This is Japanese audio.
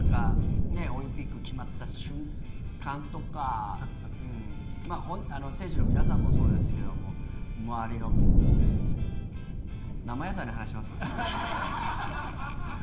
オリンピック決まった瞬間とか選手の皆さんもそうですけども周りの生野菜の話します？